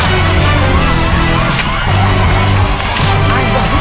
อีกลูกเท่าไหร่